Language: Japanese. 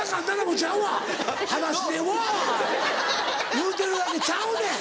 言うてるだけちゃうねん！